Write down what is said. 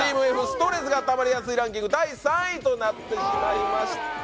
ストレスがたまりやすいランキング第３位となってしまいました